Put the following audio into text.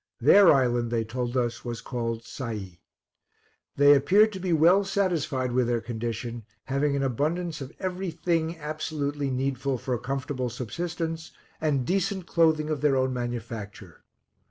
Their island, they told us, was called Syee. They appeared to be well satisfied with their condition, having an abundance of every thing absolutely needful for a comfortable subsistence, and decent clothing of their own manufacture.